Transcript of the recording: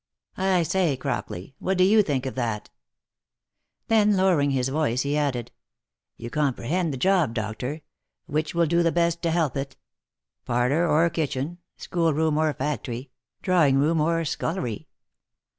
" I say Crockley, what do you think of that V Then lowering his voice, he added, " you comprehend the job, doctor, — which will do best to help it ? Parlour or kitchen, school room or factory, drawing room or scullery?